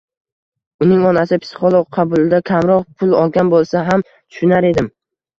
Uning onasi psixolog qabulida “kamroq pul olgan bo‘lsa ham tushunar edim